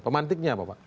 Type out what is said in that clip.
pemantiknya apa pak